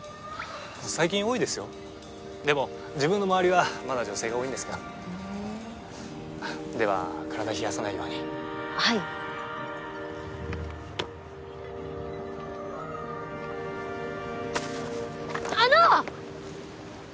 最近多いですよでも自分の周りはまだ女性が多いんですがふんでは体冷やさないようにはいあの！